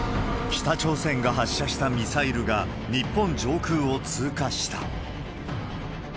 北朝鮮が発射したミサイルが、日本上空を通過した。